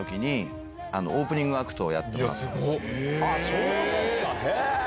そうですかへぇ！